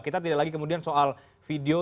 kita tidak lagi kemudian soal video